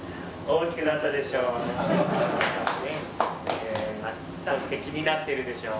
大きくなったでしょう。